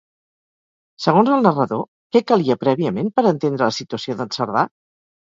Segons el narrador, què calia prèviament per entendre la situació d'en Cerdà?